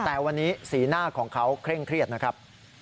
แต่วันนี้สีหน้าของเขาเคร่งเครียดนะครับ